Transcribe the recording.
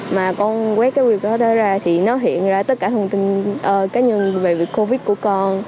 mà con quét cái qr code đó ra thì nó hiện ra tất cả thông tin cá nhân về việc covid của con